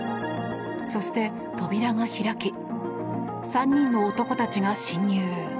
そして、扉が開き３人の男たちが侵入。